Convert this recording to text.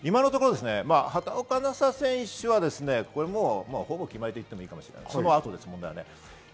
畑岡奈紗選手はほぼ決まりといっていいかもしれません。